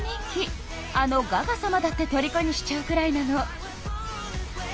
あのガガ様だってとりこにしちゃうくらいなの。